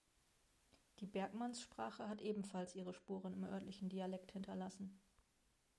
Die Bergmanns-Sprache hat ebenfalls ihre Spuren im örtlichen Dialekt hinterlassen.